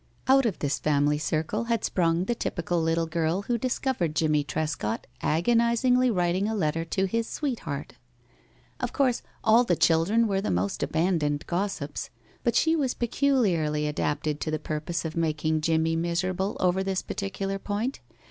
Out of this family circle had sprung the typical little girl who discovered Jimmie Trescott agonizingly writing a letter to his sweetheart. Of course all the children were the most abandoned gossips, but she was peculiarly adapted to the purpose of making Jimmie miserable over this particular point.